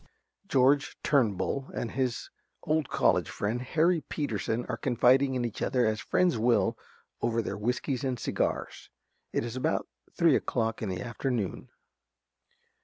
_ George Turnbull and his old College friend, Henry Peterson, _are confiding in each other, as old friends will, over their whiskies and cigars. It is about three o'clock in the afternoon.